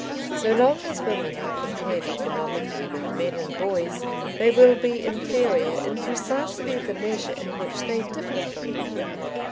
So long as women are compared economically with men and boys they will be inferior in precisely the measure in which they differ from men.